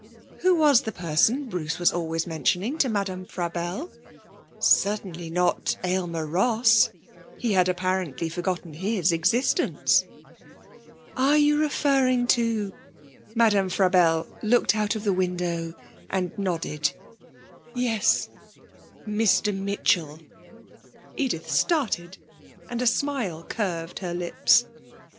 Who was the person Bruce was always mentioning to Madame Frabelle? Certainly not Aylmer Ross he had apparently forgotten his existence. 'Are you referring to ?' Madame Frabelle looked out of the window and nodded. 'Yes Mr Mitchell!' Edith started, and a smile curved her lips.